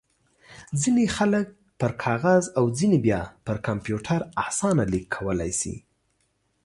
ځينې خلک پر کاغذ او ځينې بيا پر کمپيوټر اسانه ليک کولای شي.